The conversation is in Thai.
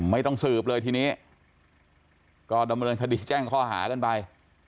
ไม่ต้องสืบเลยทีนี้ก็ดำเนินคดีแจ้งข้อหากันไป